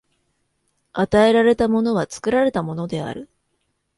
与えられたものは作られたものである。